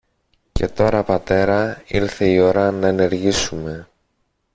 Και τώρα, πατέρα, ήλθε η ώρα να ενεργήσουμε.